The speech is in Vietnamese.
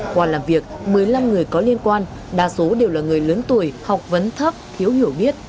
qua làm việc một mươi năm người có liên quan đa số đều là người lớn tuổi học vấn thấp thiếu hiểu biết